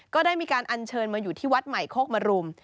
ก็ได้มีการอัญเชิญมาอยู่ที่วัดใหม่โคกมรุม